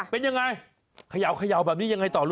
เป็นยังไงขย่าวแบบนี้ยังไงท่านครับ